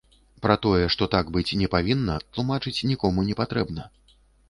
Пра тое, што так быць не павінна, тлумачыць нікому не патрэбна.